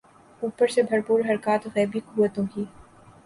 اوپر سے بھرپور حرکات غیبی قوتوں کی۔